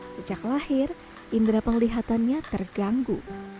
sejak lahir indera penglihatannya terganggu